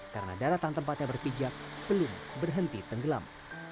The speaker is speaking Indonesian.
karena daratan tempatnya berpijak belum berhenti tenggelam